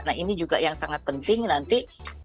nah ini juga yang sangat penting nanti